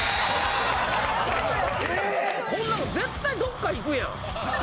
こんなの絶対どっか行くやん！